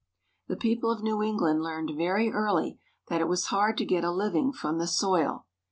The people of New England learned very early that it was hard to get a living from the soil.